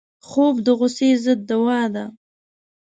خوب د غصې ضد دوا ده